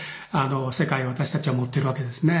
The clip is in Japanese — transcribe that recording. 世界を私たちは持ってるわけですね。